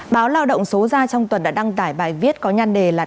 báo lao động số ra trong tuần đã đăng tải bài viết có nhan đề là